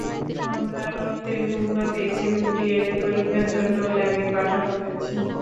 আমরা রক্তের নমুনা পেয়েছি এবং ডিএনএ পরীক্ষার জন্য ল্যাবে পাঠানো হয়েছে।